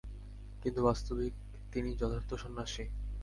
কিন্তু বাস্তবিক তিনি যথার্থ সন্ন্যাসী।